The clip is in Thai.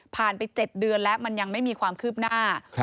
ผ่านไปเจ็ดเดือนแล้วมันยังไม่มีความคืบหน้าครับ